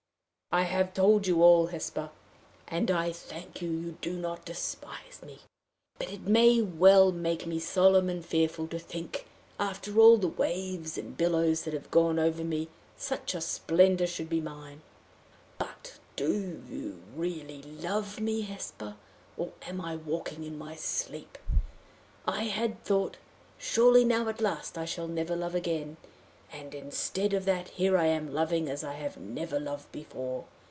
I have told you all, Hesper, and I thank you that you do not despise me. But it may well make me solemn and fearful, to think, after all the waves and billows that have gone over me, such a splendor should be mine! But, do you really love me, Hesper or am I walking in my sleep? I had thought, 'Surely now at last I shall never love again!' and instead of that, here I am loving, as I never loved before!